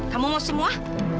kamu mau semua